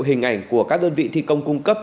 hình ảnh của các đơn vị thi công cung cấp